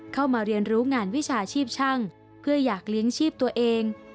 เข้ามาเรียนรู้งานวิชาชีพช่างเพื่ออยากเลี้ยงชีพตัวเอง